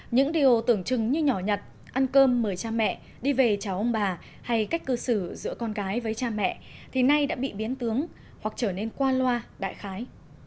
những điều tưởng chừng như nhỏ nhặt ăn cơm mời cha mẹ đi về cháu ông bà hay cách cư xử giữa con gái với cha mẹ thì nay đã bị biến tướng hoặc trở nên qua loa đại khái